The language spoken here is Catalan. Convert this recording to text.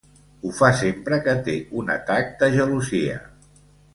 Ho fa sempre que té un atac de gelosia.